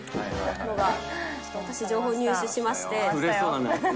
ちょっと私、情報入手しまして。